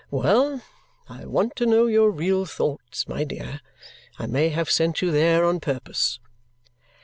"Well! I want to know your real thoughts, my dear. I may have sent you there on purpose."